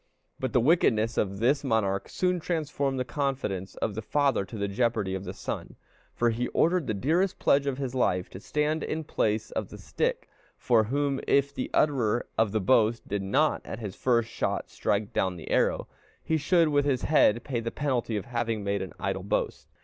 But the wickedness of this monarch soon transformed the confidence of the father to the jeopardy of the son, for he ordered the dearest pledge of his life to stand in place of the stick, from whom, if the utterer of the boast did not at his first shot strike down the apple, he should with his head pay the penalty of having made an idle boast.